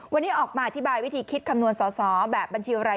วันนี้ออกมาอธิบายวิธีคิดคำนวณสอสอแบบบัญชีอะไร